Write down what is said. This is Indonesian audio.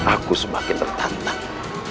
aku semakin bertantang